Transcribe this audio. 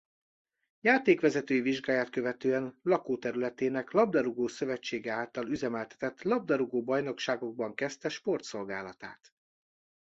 Játékvezetői vizsgáját követően lakóterületének Labdarúgó-szövetsége által üzemeltetett labdarúgó bajnokságokban kezdte sportszolgálatát.